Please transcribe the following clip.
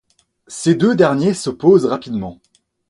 Ces deux derniers s'opposent rapidement.